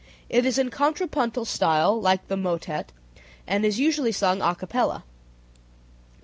It is in contrapuntal style, like the motet, and is usually sung a capella. 176.